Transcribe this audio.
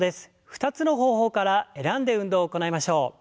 ２つの方法から選んで運動を行いましょう。